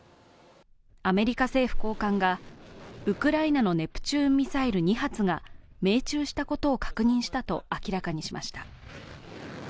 アメリカ政府高官がウクライナのネプチューンミサイル２発が命中したことを確認したと明らかにしました。